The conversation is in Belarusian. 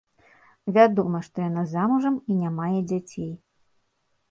Вядома, што яна замужам і не мае дзяцей.